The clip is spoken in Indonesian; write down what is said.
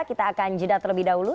kita akan jeda terlebih dahulu